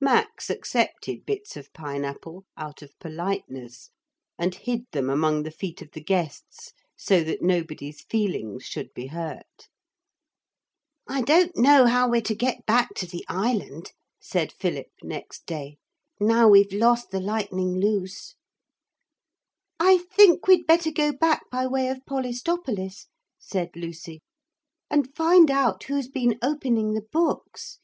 Max accepted bits of pine apple, out of politeness, and hid them among the feet of the guests so that nobody's feelings should be hurt. 'I don't know how we're to get back to the island,' said Philip next day, 'now we've lost the Lightning Loose.' 'I think we'd better go back by way of Polistopolis,' said Lucy, 'and find out who's been opening the books.